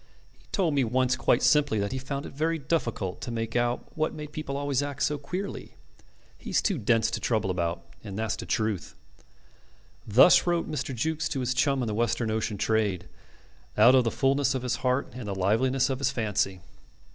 He told me once quite simply that he found it very difficult to make out what made people always act so queerly. He's too dense to trouble about, and that's the truth." Thus wrote Mr. Jukes to his chum in the Western ocean trade, out of the fulness of his heart and the liveliness of his fancy.